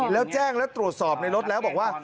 แล้วแจ้งแล้วตรวจสอบในรถแล้วบอกว่า